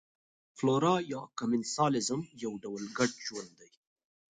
فلورا یا کمېنسالیزم یو ډول ګډ ژوند دی.